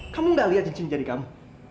kamu gak liat cincin jari kamu